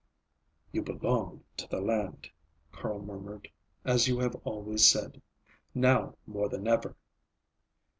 "You belong to the land," Carl murmured, "as you have always said. Now more than ever."